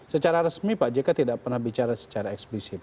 secara resmi pak jk tidak pernah bicara secara eksplisit